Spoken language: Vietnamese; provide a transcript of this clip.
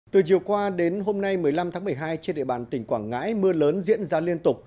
từ chiều qua đến hôm nay một mươi năm tháng một mươi hai trên địa bàn tỉnh quảng ngãi mưa lớn diễn ra liên tục